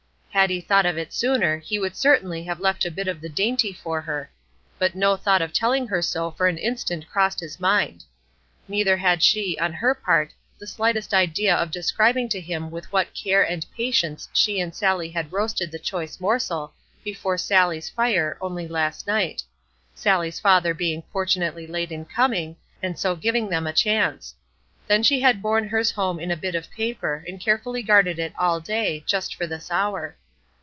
Had he thought of it sooner he would certainly have left a bit of the dainty for her; but no thought of telling her so, for an instant crossed his mind. Neither had she, on her part, the slightest idea of describing to him with what care and patience she and Sallie had roasted the choice morsel before Sallie's fire, only last night, Sallie's father being fortunately late in coming, and so giving them a chance; then she had borne hers home in a bit of paper, and carefully guarded it all day, just for this hour.